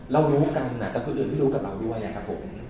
รู้กันแต่คนอื่นก็รู้กับเราด้วยครับผม